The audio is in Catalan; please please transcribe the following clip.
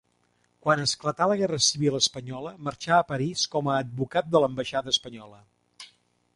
Quan esclatà la guerra civil espanyola marxà a París com a advocat de l'ambaixada espanyola.